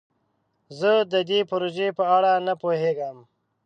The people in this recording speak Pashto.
زه د دې پروژې په اړه نه پوهیږم.